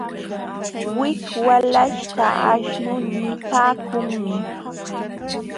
Wik walaśhta aśhnu nipaakunmi.